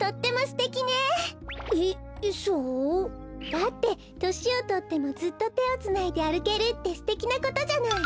だってとしをとってもずっとてをつないであるけるってすてきなことじゃない。